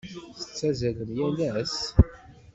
Tettazzalem yal ass?